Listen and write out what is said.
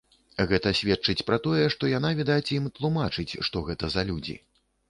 Гэта сведчыць пра тое, што яна, відаць, ім тлумачыць, што гэта за людзі.